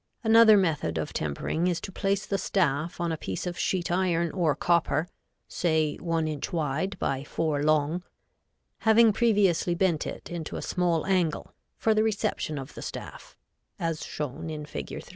Another method of tempering is to place the staff on a piece of sheet iron or copper (say 1 inch wide by 4 long), having previously bent it into a small angle, for the reception of the staff, as shown in Fig.